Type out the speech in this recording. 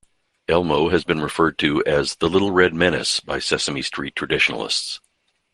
Elmo has been referred to as the "Little Red Menace" by Sesame Street traditionalists.